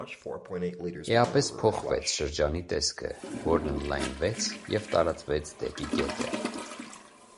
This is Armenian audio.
Էապես փոխվեց շրջանի տեսքը, որն ընդլայնվեց և տարածվեց դեպի գետը։